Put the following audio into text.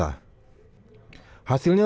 hasilnya rompi itu menemukan tembak yang berbeda